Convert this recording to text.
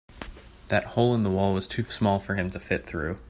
That hole in the wall was too small for him to fit through.